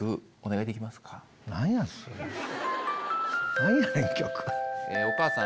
何やねん！